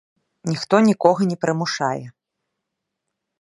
Ніхто нікога не прымушае.